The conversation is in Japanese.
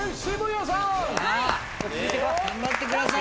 頑張ってください